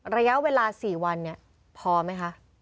ระยะเวลา๔วันพอไหมคะ